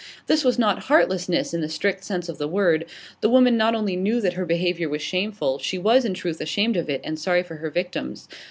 This was not heartlessness in the strict sense of the word; the woman not only knew that her behaviour was shameful, she was in truth ashamed of it and sorry for her victims.